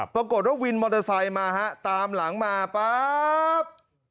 ปรากฏว่าวินมอเตอร์ไซค์มาฮะตามหลังมาป๊าบ